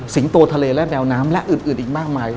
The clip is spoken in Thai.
ตัวทะเลและแนวน้ำและอื่นอีกมากมาย